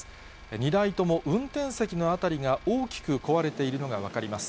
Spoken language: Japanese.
２台とも運転席の辺りが大きく壊れているのが分かります。